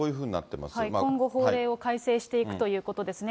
今後、法令を改正していくということですね。